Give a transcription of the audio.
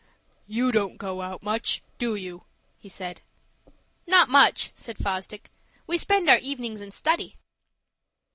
"You don't go out much, do you?" he said "Not much," said Fosdick. "We spend our evenings in study."